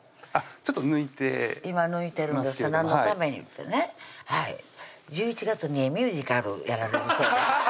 ちょっと抜いて今抜いてるんですって何のためにってねはい１１月にミュージカルやられるそうです